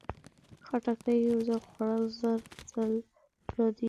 خټکی یو ځل خوړل، زر ځل یادېږي.